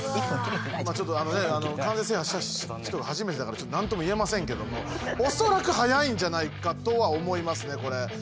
ちょっと完全制覇した人がはじめてだからちょっとなんとも言えませんけれどもおそらくはやいんじゃないかとは思いますねこれ。